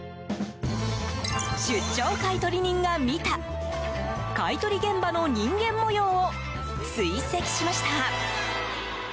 出張買取人が見た買い取り現場の人間模様を追跡しました。